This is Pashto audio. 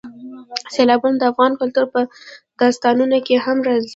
سیلابونه د افغان کلتور په داستانونو کې هم راځي.